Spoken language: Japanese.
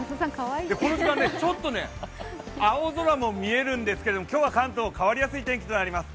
この時間、ちょっと青空も見えるんですけど今日は関東、変わりやすい天気となります。